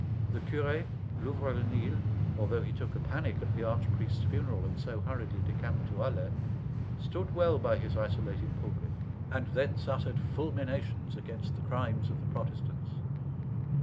The curé, Louvrelenil, although he took a panic at the arch priest's funeral, and so hurriedly decamped to Alais, stood well by his isolated pulpit, and thence uttered fulminations against the crimes of the Protestants.